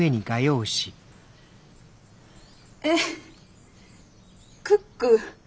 えっクック。